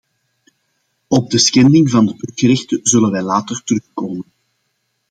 Op de schending van de burgerrechten zullen wij later terugkomen.